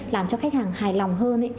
làm cho khách hàng hài lòng hơn